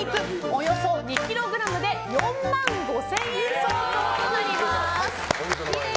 およそ２ｋｇで４万５０００円相当となります。